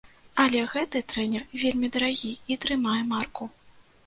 Але гэты трэнер вельмі дарагі і трымае марку.